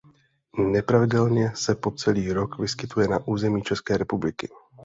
Nepravidelně se po celý rok vyskytuje na území České republiky.